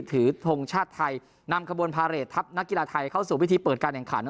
ทงชาติไทยนำขบวนพาเรททัพนักกีฬาไทยเข้าสู่พิธีเปิดการแข่งขัน